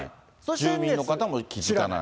住民の方も気付かない。